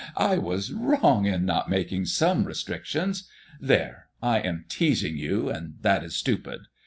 ] I was wrong in not making some restrictions. There! I am teasing you, and that is stupid.